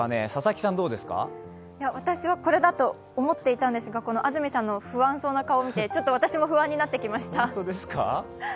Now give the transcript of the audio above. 私はこれだと思っていたんですが、安住さんの不安そうな顔を見て私も不安になってきました。